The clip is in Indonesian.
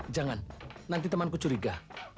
jangan nanti temanku curiga